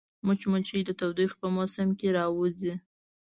مچمچۍ د تودوخې په موسم کې راووځي